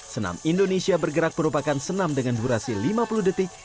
senam indonesia bergerak merupakan senam dengan durasi lima puluh detik